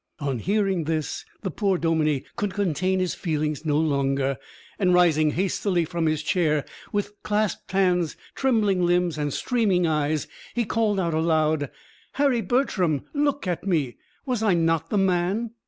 On hearing this, the poor dominie could contain his feelings no longer, and rising hastily from his chair, with clasped hands, trembling limbs and streaming eyes, he called out aloud: "Harry Bertram, look at me! Was I not the man?"